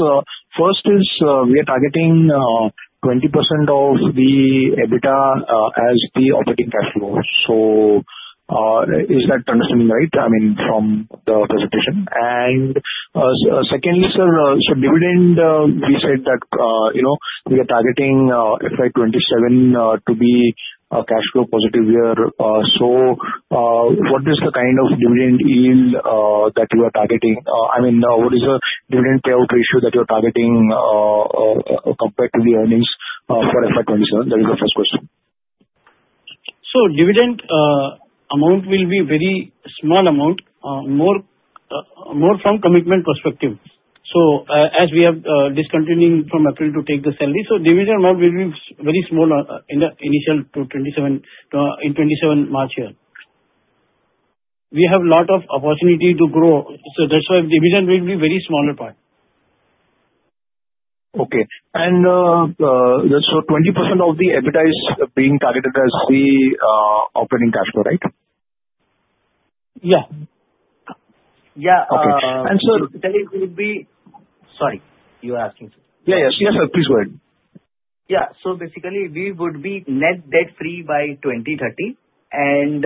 [SPEAKER 11] First is, we are targeting 20% of the EBITDA as the operating cash flows. Is that understanding right? I mean, from the presentation. Secondly, sir, dividend, we said that, you know, we are targeting FY 2027 to be a cash flow positive year. What is the kind of dividend yield that you are targeting? I mean, what is your dividend payout ratio that you're targeting compared to the earnings for FY 2027? That is the first question.
[SPEAKER 3] Dividend amount will be very small amount, more, more from commitment perspective. As we have discontinuing from April to take the salary, dividend amount will be very small in the initial to 2027, in 2027 March year. We have a lot of opportunity to grow, so that's why dividend will be very smaller part.
[SPEAKER 11] Okay. 20% of the EBITDA is being targeted as the operating cash flow, right?
[SPEAKER 3] Yeah.
[SPEAKER 5] Yeah.
[SPEAKER 11] Okay.
[SPEAKER 3] And sir-
[SPEAKER 5] That it will be... Sorry, you were asking, sir.
[SPEAKER 11] Yeah, yes. Yes, sir, please go ahead.
[SPEAKER 5] we would be net debt free by 2030 and,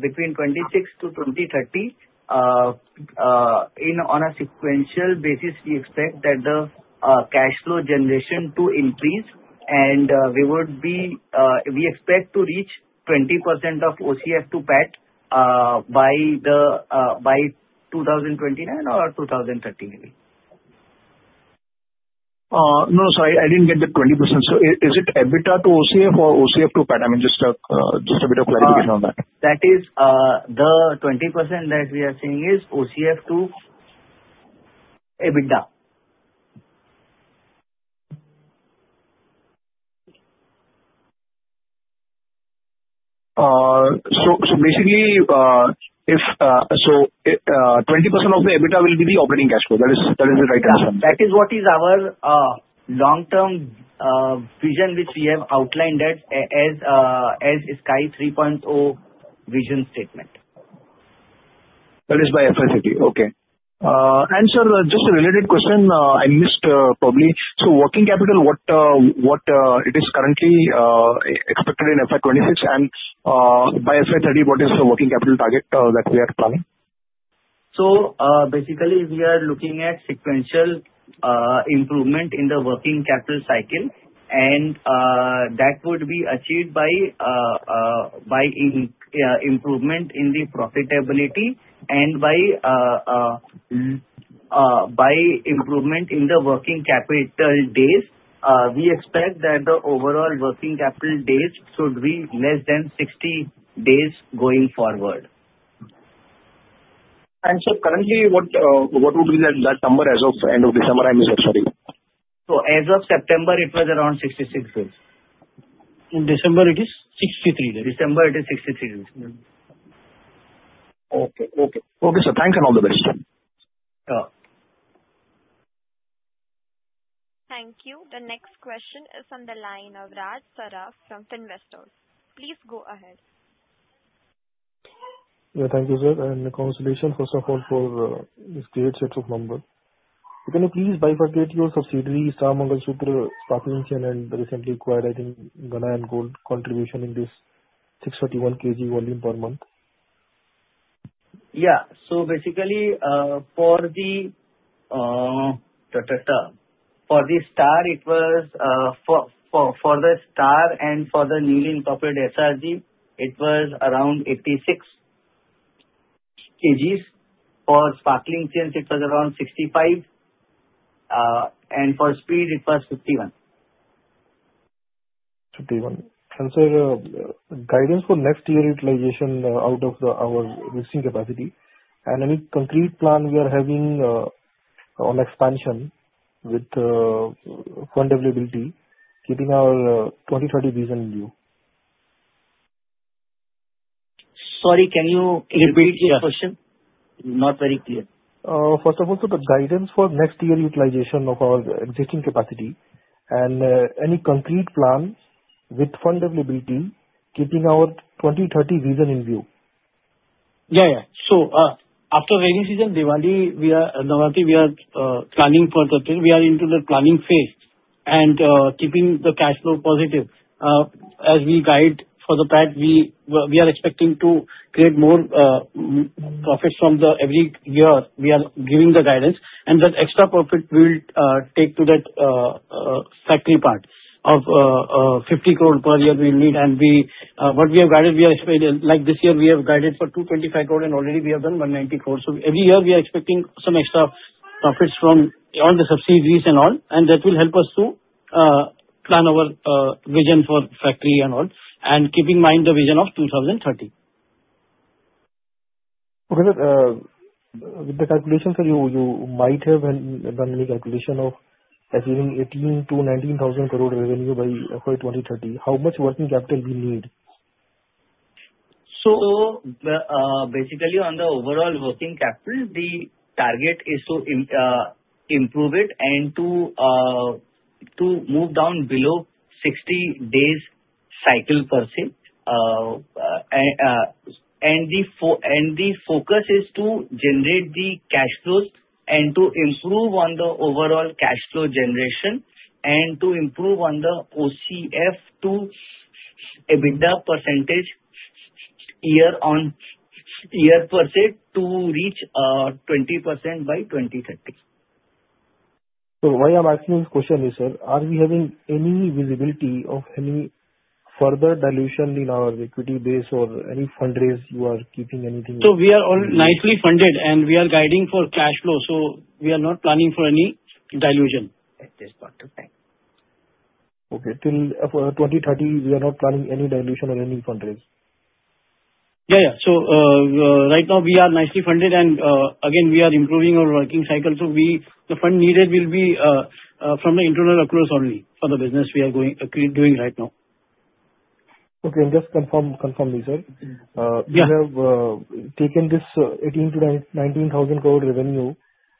[SPEAKER 5] between 2026 to 2030, on a sequential basis, we expect that the cash flow generation to increase and we would be, we expect to reach 20% of OCF to PAT by 2029 or 2030 maybe
[SPEAKER 11] No, sorry, I didn't get the 20%. Is it EBITDA to OCF or OCF to PAT? I mean, just a bit of clarification on that.
[SPEAKER 5] That is, the 20% that we are saying is OCF to EBITDA.
[SPEAKER 11] Basically, 20% of the EBITDA will be the operating cash flow, that is the right assumption?
[SPEAKER 5] That is what is our long-term vision, which we have outlined as Sky 3.0 vision statement.
[SPEAKER 11] That is by FY30. Okay. Sir, just a related question, I missed, probably. Working capital, what it is currently expected in FY26 and by FY30, what is the working capital target that we are planning?
[SPEAKER 5] Basically we are looking at sequential improvement in the working capital cycle, and that would be achieved by improvement in the profitability and by improvement in the working capital days. We expect that the overall working capital days should be less than 60 days going forward.
[SPEAKER 11] Sir, currently, what would be that number as of end of December, I mean, sorry?
[SPEAKER 5] as of September, it was around 66 days.
[SPEAKER 3] In December, it is 63. December, it is 63 days.
[SPEAKER 11] Okay. Okay. Okay, sir. Thanks, and all the best.
[SPEAKER 5] Uh.
[SPEAKER 1] Thank you. The next question is on the line of Raj Saraf from Finvestor. Please go ahead.
[SPEAKER 12] Yeah, thank you, sir, and congratulations, first of all, for this great set of number. Can you please bifurcate your subsidiary, Starmangalsutra, Spatika, and the recently acquired, I think, Ganan Golds contribution in this 631 kg volume per month?
[SPEAKER 5] Yeah. basically, it was for the Star and for the newly incorporated SRG, it was around 86.... KGs. For Sparkling gems, it was around 65, and for Speed, it was 51.
[SPEAKER 12] 51. Guidance for next year utilization, out of our existing capacity and any concrete plan we are having, on expansion with the fund availability, keeping our 2030 Vision in view?
[SPEAKER 3] Sorry, can you repeat the question? Not very clear.
[SPEAKER 12] First of all, the guidance for next year utilization of our existing capacity and any concrete plans with fund availability, keeping our 2030 Vision in view.
[SPEAKER 3] Yeah, yeah. After rainy season, Diwali, we are planning for the thing. We are into the planning phase and keeping the cash flow positive. As we guide for the PAT, we are expecting to create more profits from the every year we are giving the guidance, and that extra profit will take to that factory part of 50 crore per year we need, and we what we have guided, we are expecting, like this year, we have guided for 225 crore, and already we have done 194. Every year we are expecting some extra profits from all the subsidiaries and all, and that will help us to plan our vision for factory and all, and keeping in mind the Vision 2030.
[SPEAKER 12] With the calculations that you might have done the calculation of achieving 18,000 crore-19,000 crore revenue by 2030, how much working capital we need?
[SPEAKER 3] Basically, on the overall working capital, the target is to improve it and to move down below 60 days cycle per se, and the focus is to generate the cash flows and to improve on the overall cash flow generation, and to improve on the OCF to EBITDA % year on year per se, to reach 20% by 2030.
[SPEAKER 12] Why I'm asking this question is, sir, are we having any visibility of any further dilution in our equity base or any fundraise you are keeping anything?
[SPEAKER 3] We are all nicely funded, and we are guiding for cash flow, so we are not planning for any dilution at this point in time.
[SPEAKER 12] Okay, till 2030, we are not planning any dilution or any fundraise.
[SPEAKER 3] Yeah, yeah. Right now we are nicely funded and, again, we are improving our working cycle. We, the fund needed will be from the internal accruals only for the business we are going, doing right now.
[SPEAKER 12] Okay, just confirm me, sir.
[SPEAKER 3] Yeah.
[SPEAKER 12] You have taken this 19,000 crore revenue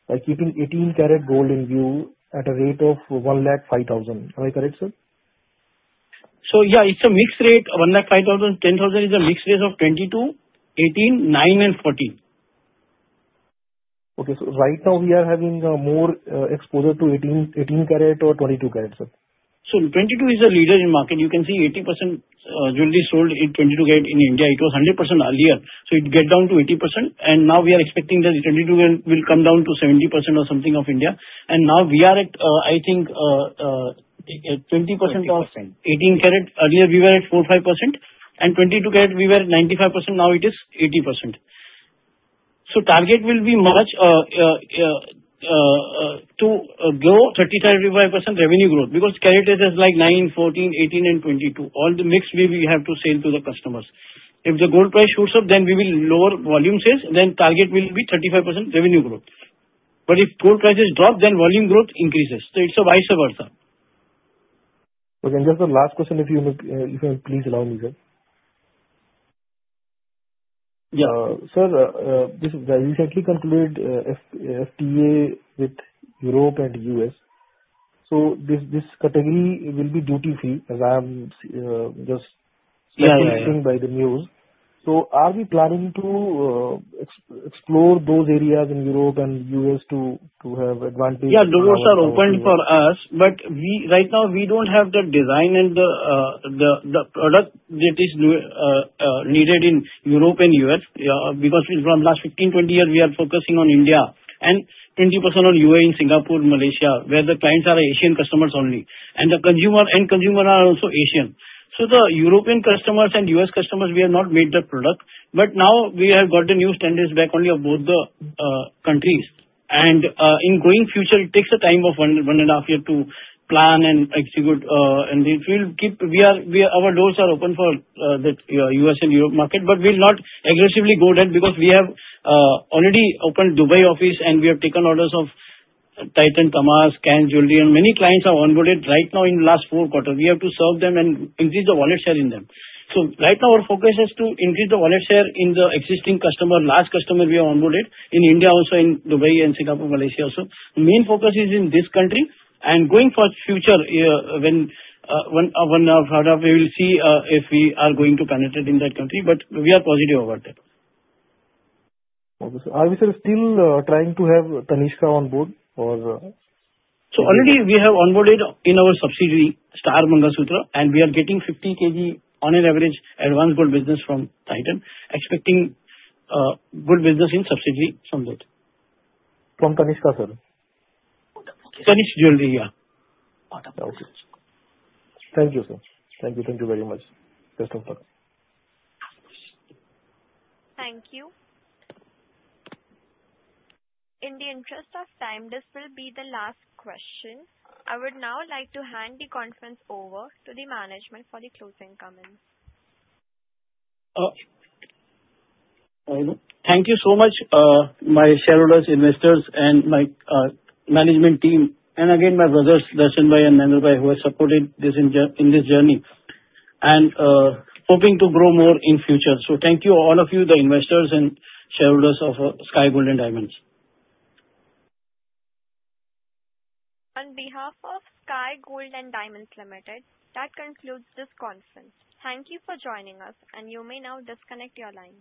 [SPEAKER 12] by keeping 18 karat gold in view at a rate of 105,000. Am I correct, sir?
[SPEAKER 3] yeah, it's a mixed rate, 1,05,000. 10,000 is a mixed rate of 22, 18, 9, and 14.
[SPEAKER 12] Right now we are having more exposure to 18 karat or 22 karat, sir?
[SPEAKER 3] 22 is the leader in market. You can see 80% jewelry sold in 22 karat in India. It was 100% earlier, it get down to 80%, now we are expecting that 22 will come down to 70% or something of India. Now we are at 20%.
[SPEAKER 12] 20%.
[SPEAKER 3] Of 18 karat. Earlier we were at 4%, 5%, and 22 karat we were 95%, now it is 80%. Target will be much to grow 30%-35% revenue growth, because karat is like 9, 14, 18, and 22. All the mixed way we have to sell to the customers. If the gold price shoots up, then we will lower volume sales, then target will be 35% revenue growth. If gold prices drop, then volume growth increases. It's a vice versa.
[SPEAKER 12] Just the last question, if you would, if you can please allow me, sir. Sir, this recently concluded FTA with Europe and the U.S. This category will be duty free, as I'm.
[SPEAKER 3] Yeah, yeah.
[SPEAKER 12] Seeing by the news. Are we planning to explore those areas in Europe and U.S. to have advantage?
[SPEAKER 3] Yeah, the doors are open for us. Right now, we don't have the design and the product that is needed in Europe and US, because from last 15, 20 years, we are focusing on India and 20% on UAE and Singapore, Malaysia, where the clients are Asian customers only, and the consumer, end consumer are also Asian. The European customers and US customers, we have not made that product, but now we have got the new standards back only of both the countries. In going future, it takes a time of 1 and a half year to plan and execute. It will keep, our doors are open for the U.S. and Europe market. We'll not aggressively go there, because we have already opened Dubai office, and we have taken orders of Titan Damas, CAN Jewelry, and many clients are onboarded right now in last 4 quarters. We have to serve them and increase the wallet share in them. Right now, our focus is to increase the wallet share in the existing customer, large customer we have onboarded in India, also in Dubai and Singapore, Malaysia also. The main focus is in this country and going for future, when further we will see if we are going to connect it in that country, but we are positive about that.
[SPEAKER 12] Okay. Are we still trying to have Tanishq on board or?
[SPEAKER 3] already we have onboarded in our subsidiary, Star Mangalsutra, and we are getting 50 kg on an average advance gold business from Titan. Expecting good business in subsidiary sometime.
[SPEAKER 12] From Tanishq, sir?
[SPEAKER 3] Tanishq Jewelry, yeah.
[SPEAKER 12] Okay. Thank you, sir. Thank you very much. Best of luck.
[SPEAKER 1] Thank you. In the interest of time, this will be the last question. I would now like to hand the conference over to the management for the closing comments.
[SPEAKER 3] Thank you so much, my shareholders, investors, and my management team, and again, my brothers, Darshanbhai and Mahendrabhai, who are supporting this in this journey, and hoping to grow more in future. Thank you all of you, the investors and shareholders of Sky Gold and Diamonds.
[SPEAKER 1] On behalf of Sky Gold and Diamonds Limited, that concludes this conference. Thank you for joining us, and you may now disconnect your lines.